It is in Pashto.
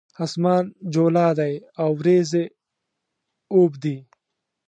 اسمان جولا دی اوریځې اوبدي